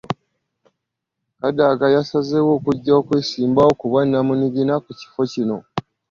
Kadaga yasazeewo okujja okwesimbawo ku bwa nnamunigina ku kifo kino.